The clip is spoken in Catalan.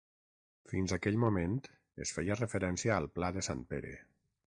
Fins aquell moment es feia referència al pla de Sant Pere.